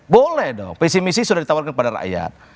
boleh dong pesimisi sudah ditawarkan pada rakyat